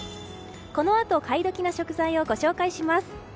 この時期買い時の食材をご紹介します。